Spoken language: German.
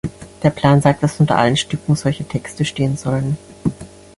Der Plan sagt, dass unter allen Stücken solche Texte stehen sollten.